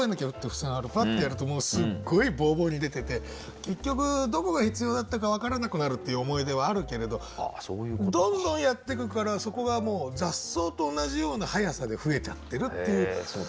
パッてやるともうすっごいボーボーに出てて結局どこが必要だったか分からなくなるっていう思い出はあるけれどどんどんやってくからそこがもう雑草と同じような速さで増えちゃってるっていう。